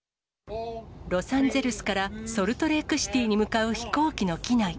ロサンゼルスからソルトレークシティーに向かう飛行機の機内。